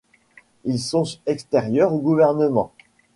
Ils sont extérieurs au gouvernement.